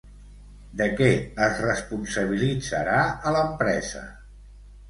De què es responsabilitzarà a l'empresa?